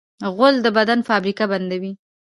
غول د بدن فابریکه بندوي.